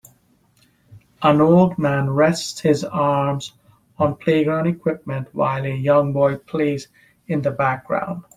An old man rests his arms on playground equipment while a young boy plays in the background.